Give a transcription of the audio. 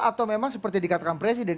atau memang seperti dikatakan presiden